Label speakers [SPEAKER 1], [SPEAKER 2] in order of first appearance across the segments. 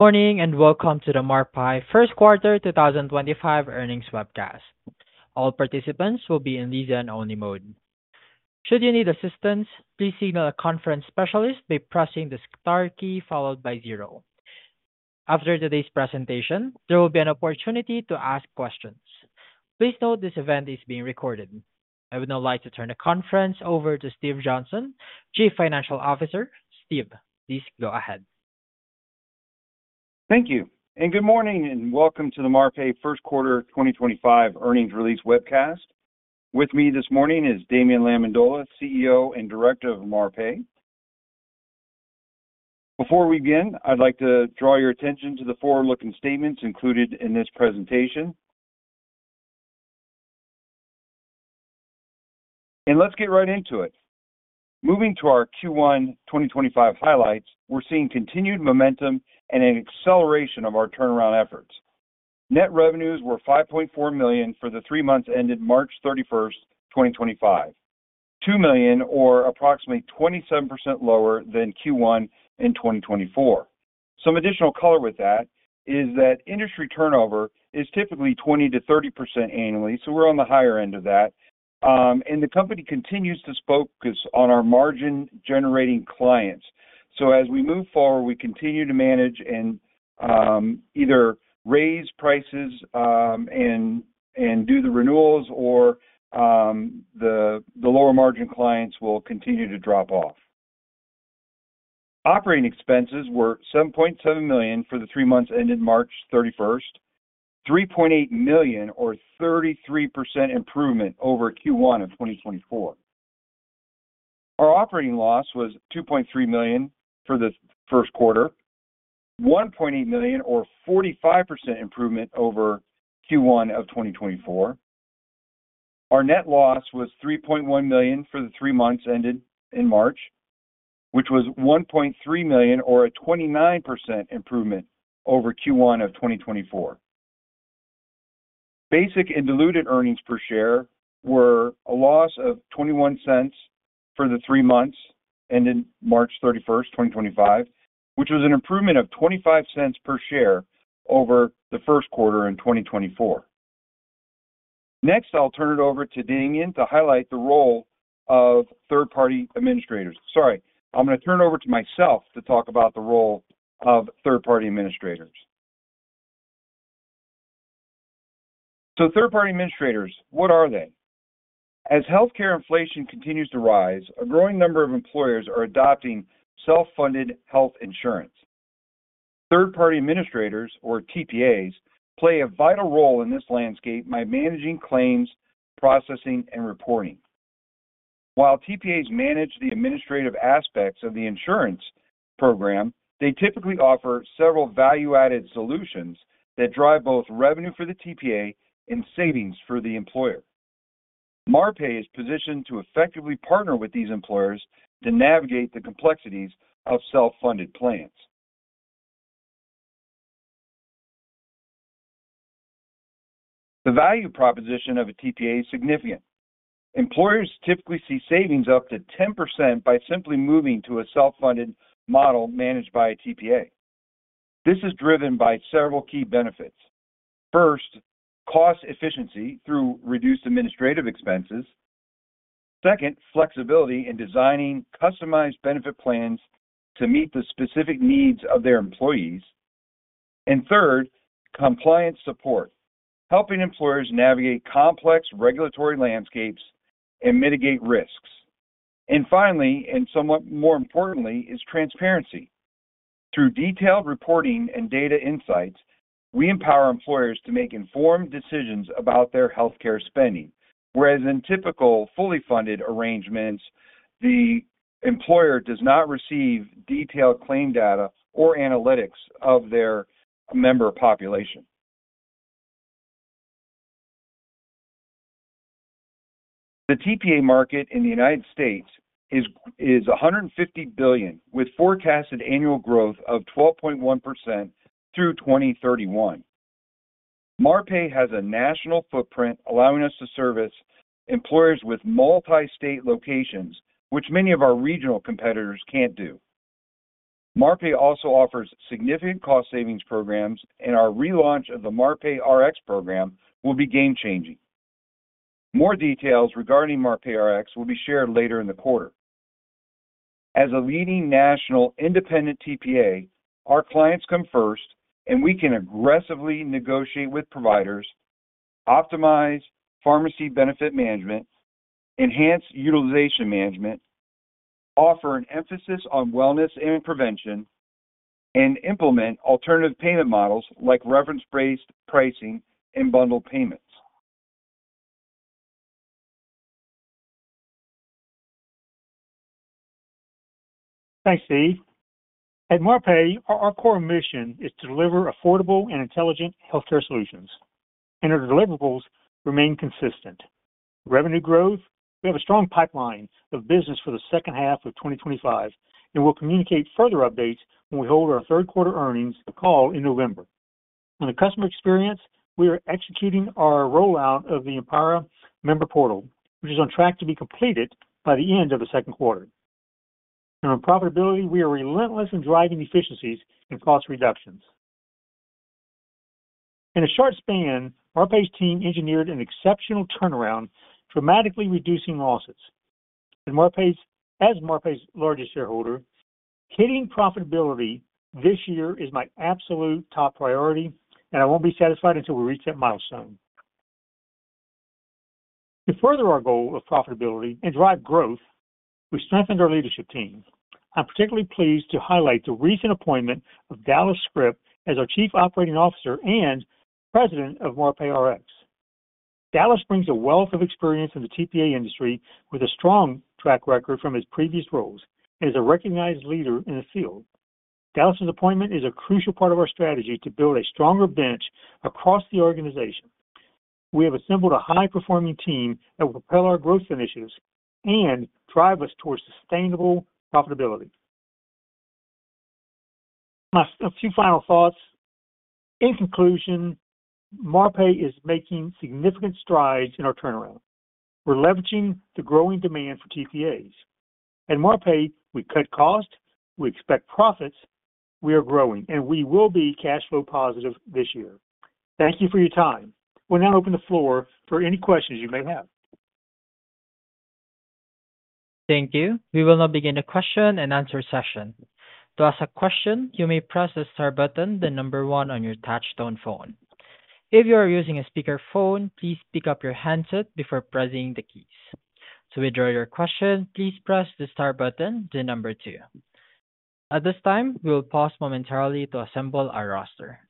[SPEAKER 1] Morning, and welcome to the Marpai first quarter 2025 earnings webcast. All participants will be in listen-only mode. Should you need assistance, please signal a conference specialist by pressing the star key followed by zero. After today's presentation, there will be an opportunity to ask questions. Please note this event is being recorded. I would now like to turn the conference over to Steve Johnson, Chief Financial Officer. Steve, please go ahead.
[SPEAKER 2] Thank you, and good morning, and welcome to the Marpai first quarter 2025 earnings release webcast. With me this morning is Damien Lamendola, CEO and Director of Marpai. Before we begin, I'd like to draw your attention to the forward-looking statements included in this presentation. Let's get right into it. Moving to our Q1 2025 highlights, we're seeing continued momentum and an acceleration of our turnaround efforts. Net revenues were $5.4 million for the three months ended March 31st, 2025, $2 million, or approximately 27% lower than Q1 in 2024. Some additional color with that is that industry turnover is typically 20%-30% annually, so we're on the higher end of that. The company continues to focus on our margin-generating clients. As we move forward, we continue to manage and either raise prices and do the renewals, or the lower margin clients will continue to drop off. Operating expenses were $7.7 million for the three months ended March 31st, $3.8 million, or 33% improvement over Q1 of 2024. Our operating loss was $2.3 million for the first quarter, $1.8 million, or 45% improvement over Q1 of 2024. Our net loss was $3.1 million for the three months ended in March, which was $1.3 million, or a 29% improvement over Q1 of 2024. Basic and diluted earnings per share were a loss of $0.21 for the three months ended March 31st, 2025, which was an improvement of $0.25 per share over the first quarter in 2024. Next, I'll turn it over to Damien to highlight the role of third-party administrators. Sorry, I'm going to turn it over to myself to talk about the role of third-party administrators. So third-party administrators, what are they? As healthcare inflation continues to rise, a growing number of employers are adopting self-funded health insurance. Third-party administrators, or TPAs, play a vital role in this landscape by managing claims, processing, and reporting. While TPAs manage the administrative aspects of the insurance program, they typically offer several value-added solutions that drive both revenue for the TPA and savings for the employer. Marpai is positioned to effectively partner with these employers to navigate the complexities of self-funded plans. The value proposition of a TPA is significant. Employers typically see savings up to 10% by simply moving to a self-funded model managed by a TPA. This is driven by several key benefits. First, cost efficiency through reduced administrative expenses. Second, flexibility in designing customized benefit plans to meet the specific needs of their employees. Third, compliance support, helping employers navigate complex regulatory landscapes and mitigate risks. Finally, and somewhat more importantly, is transparency. Through detailed reporting and data insights, we empower employers to make informed decisions about their healthcare spending, whereas in typical fully funded arrangements, the employer does not receive detailed claim data or analytics of their member population. The TPA market in the U.S. is $150 billion, with forecasted annual growth of 12.1% through 2031. Marpai has a national footprint, allowing us to service employers with multi-state locations, which many of our regional competitors can't do. Marpai also offers significant cost savings programs, and our relaunch of the MarpaiRx program will be game-changing. More details regarding MarpaiRx will be shared later in the quarter. As a leading national independent TPA, our clients come first, and we can aggressively negotiate with providers, optimize pharmacy benefit management, enhance utilization management, offer an emphasis on wellness and prevention, and implement alternative payment models like reference-based pricing and bundled payments.
[SPEAKER 1] Thanks, Steve. At Marpai, our core mission is to deliver affordable and intelligent healthcare solutions, and our deliverables remain consistent. Revenue growth, we have a strong pipeline of business for the second half of 2025, and we will communicate further updates when we hold our third quarter earnings call in November. On the customer experience, we are executing our rollout of the Empire member portal, which is on track to be completed by the end of the second quarter. On profitability, we are relentless in driving efficiencies and cost reductions. In a short span, Marpai's team engineered an exceptional turnaround, dramatically reducing losses. As Marpai's largest shareholder, hitting profitability this year is my absolute top priority, and I will not be satisfied until we reach that milestone. To further our goal of profitability and drive growth, we strengthened our leadership team. I'm particularly pleased to highlight the recent appointment of Dallas Scrip as our Chief Operating Officer and President of MarpaiRx. Dallas brings a wealth of experience in the TPA industry with a strong track record from his previous roles and is a recognized leader in the field. Dallas's appointment is a crucial part of our strategy to build a stronger bench across the organization. We have assembled a high-performing team that will propel our growth initiatives and drive us towards sustainable profitability. A few final thoughts. In conclusion, Marpai is making significant strides in our turnaround. We're leveraging the growing demand for TPAs. At Marpai, we cut costs, we expect profits, we are growing, and we will be cash flow positive this year. Thank you for your time. We'll now open the floor for any questions you may have.
[SPEAKER 3] Thank you. We will now begin a question-and-answer session. To ask a question, you may press the star button, the number one on your touchstone phone. If you are using a speakerphone, please pick up your handset before pressing the keys. To withdraw your question, please press the star button, the number two. At this time, we will pause momentarily to assemble our roster.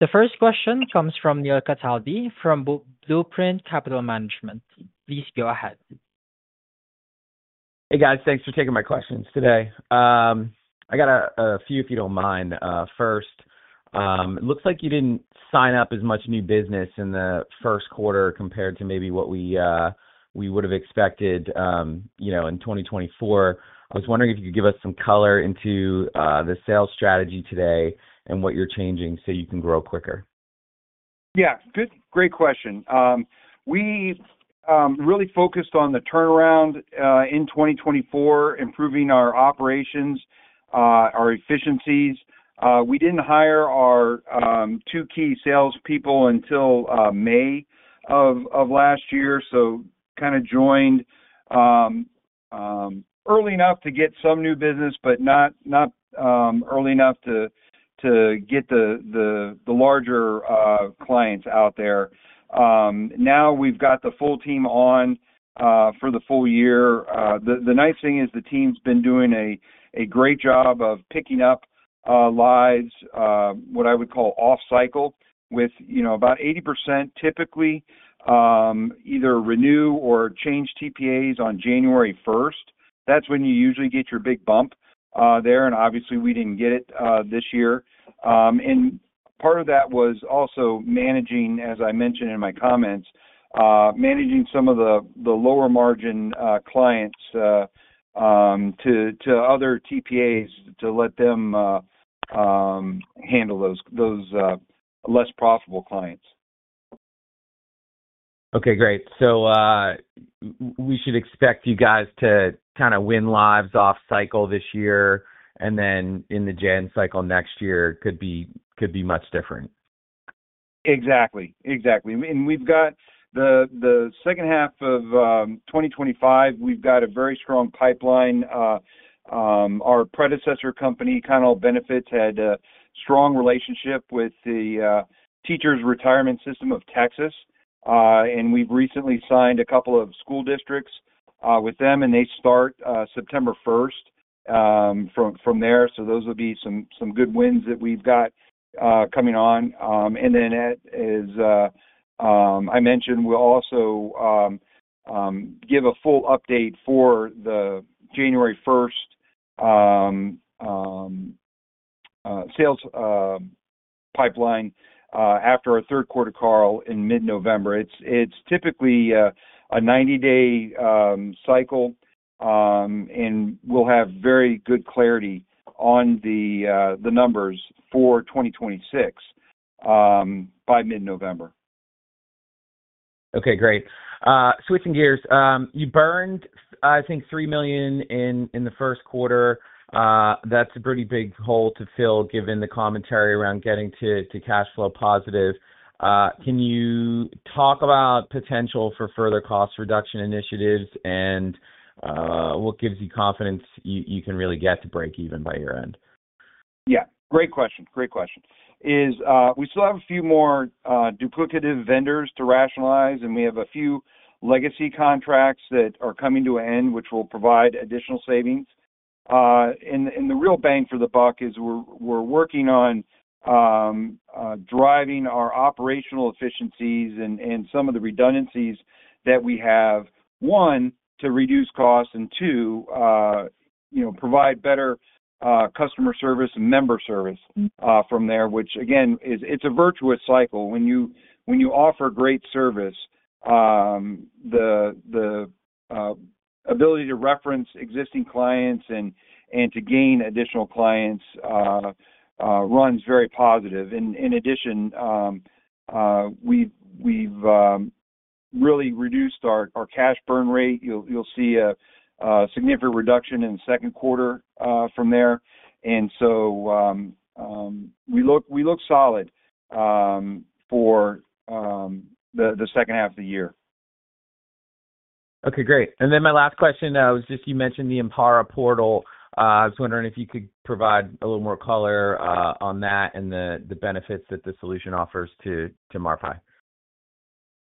[SPEAKER 3] The first question comes from Neil Cataldi from Blueprint Capital Management. Please go ahead.
[SPEAKER 4] Hey, guys. Thanks for taking my questions today. I got a few, if you don't mind. First, it looks like you didn't sign up as much new business in the first quarter compared to maybe what we would have expected in 2024. I was wondering if you could give us some color into the sales strategy today and what you're changing so you can grow quicker.
[SPEAKER 2] Yeah. Great question. We really focused on the turnaround in 2024, improving our operations, our efficiencies. We did not hire our two key salespeople until May of last year, so kind of joined early enough to get some new business, but not early enough to get the larger clients out there. Now we have got the full team on for the full year. The nice thing is the team's been doing a great job of picking up lives, what I would call off-cycle, with about 80% typically either renew or change TPAs on January 1st. That is when you usually get your big bump there, and obviously, we did not get it this year. Part of that was also managing, as I mentioned in my comments, managing some of the lower margin clients to other TPAs to let them handle those less profitable clients.
[SPEAKER 4] Okay. Great. So we should expect you guys to kind of win lives off-cycle this year, and then in the January cycle next year could be much different.
[SPEAKER 2] Exactly. Exactly. We have the second half of 2025, we have a very strong pipeline. Our predecessor company, Connell Benefits, had a strong relationship with the Teachers' Retirement System of Texas, and we have recently signed a couple of school districts with them, and they start September 1 from there. Those will be some good wins that we have coming on. As I mentioned, we will also give a full update for the January 1st sales pipeline after our third quarter call in mid-November. It is typically a 90-day cycle, and we will have very good clarity on the numbers for 2026 by mid-November.
[SPEAKER 4] Okay. Great. Switching gears, you burned, I think, $3 million in the first quarter. That's a pretty big hole to fill given the commentary around getting to cash flow positive. Can you talk about potential for further cost reduction initiatives and what gives you confidence you can really get to break even by year-end?
[SPEAKER 2] Yeah. Great question. Great question. We still have a few more duplicative vendors to rationalize, and we have a few legacy contracts that are coming to an end, which will provide additional savings. The real bang for the buck is we're working on driving our operational efficiencies and some of the redundancies that we have, one, to reduce costs and, two, provide better customer service and member service from there, which, again, it's a virtuous cycle. When you offer great service, the ability to reference existing clients and to gain additional clients runs very positive. In addition, we've really reduced our cash burn rate. You'll see a significant reduction in the second quarter from there. We look solid for the second half of the year.
[SPEAKER 4] Okay. Great. My last question was just you mentioned the Empire portal. I was wondering if you could provide a little more color on that and the benefits that the solution offers to Marpai.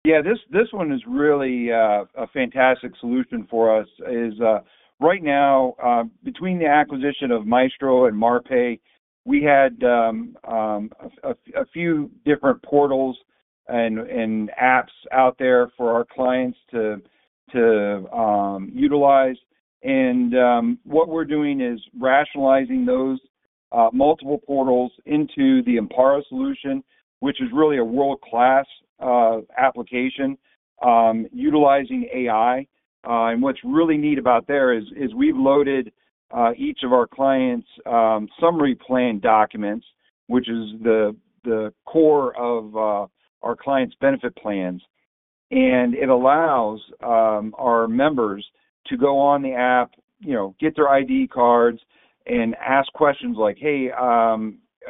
[SPEAKER 2] Yeah. This one is really a fantastic solution for us. Right now, between the acquisition of Maestro and Marpai, we had a few different portals and apps out there for our clients to utilize. What we are doing is rationalizing those multiple portals into the Empire solution, which is really a world-class application, utilizing AI. What is really neat about there is we have loaded each of our clients' summary plan documents, which is the core of our clients' benefit plans. It allows our members to go on the app, get their ID cards, and ask questions like, "Hey,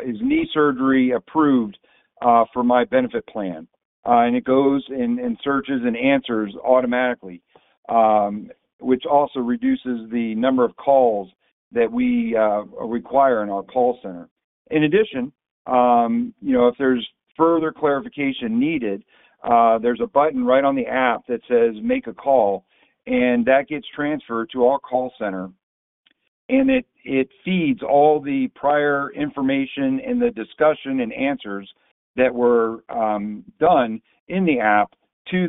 [SPEAKER 2] is knee surgery approved for my benefit plan?" It goes and searches and answers automatically, which also reduces the number of calls that we require in our call center. In addition, if there's further clarification needed, there's a button right on the app that says, "Make a call," and that gets transferred to our call center. It feeds all the prior information and the discussion and answers that were done in the app to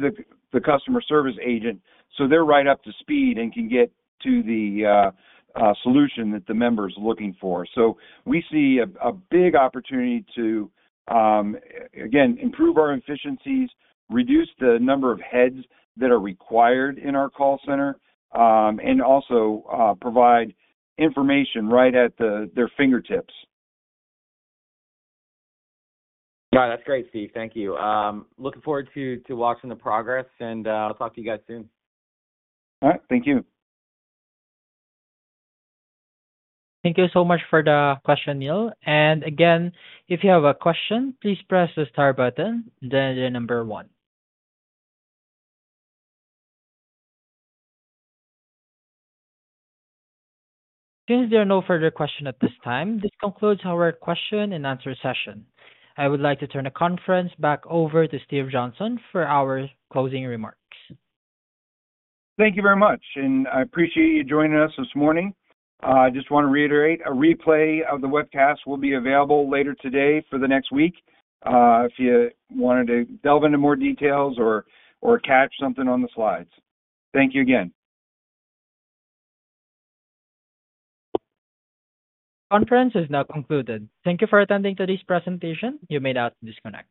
[SPEAKER 2] the customer service agent so they're right up to speed and can get to the solution that the member's looking for. We see a big opportunity to, again, improve our efficiencies, reduce the number of heads that are required in our call center, and also provide information right at their fingertips.
[SPEAKER 4] Yeah. That's great, Steve. Thank you. Looking forward to watching the progress, and I'll talk to you guys soon.
[SPEAKER 2] All right. Thank you.
[SPEAKER 3] Thank you so much for the question, Neil. If you have a question, please press the star button, the number one. Since there are no further questions at this time, this concludes our question-and-answer session. I would like to turn the conference back over to Steve Johnson for our closing remarks.
[SPEAKER 2] Thank you very much, and I appreciate you joining us this morning. I just want to reiterate, a replay of the webcast will be available later today for the next week if you wanted to delve into more details or catch something on the slides. Thank you again.
[SPEAKER 3] Conference is now concluded. Thank you for attending today's presentation. You may now disconnect.